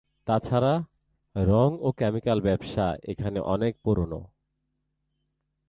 তাছাড়া রঙ ও কেমিক্যাল ব্যবসা এখানে অনেক পুরনো।